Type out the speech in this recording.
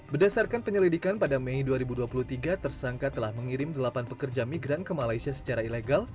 berdasarkan penyelidikan pada mei dua ribu dua puluh tiga tersangka telah mengirim delapan pekerja migran ke malaysia secara ilegal